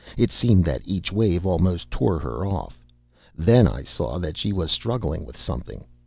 It seemed that each wave almost tore her off. Then I saw that she was struggling with something.